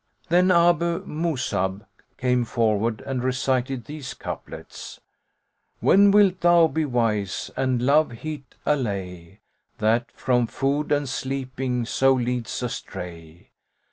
'" Then Abu Mus'ab came forward and recited these couplets, "When wilt thou be wise and love heat allay * That from food and sleeping so leads astray?